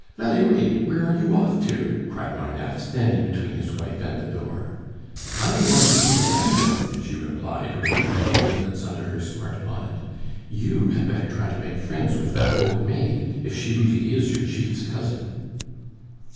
"Valerie, where are you off to?" cried Marneffe, standing between his wife and the door. "I am going to see the landlord," she replied, arranging her ringlets under her smart bonnet. "You had better try to make friends with that old maid, if she really is your chief's cousin."